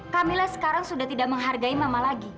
kamila sekarang sudah tidak menghargai mama lagi